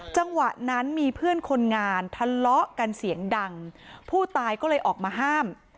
จังหวะนั้นมีเพื่อนคนงานทะเลาะกันเสียงดังผู้ตายก็เลยออกมาห้าม